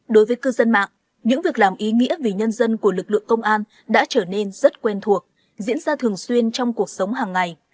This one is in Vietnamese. đối với cư dân mạng những việc làm ý nghĩa vì nhân dân của lực lượng công an đã trở nên rất quen thuộc diễn ra thường xuyên trong cuộc sống hàng ngày